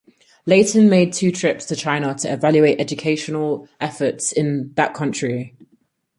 Layton made two trips to China to evaluate educational efforts in that country.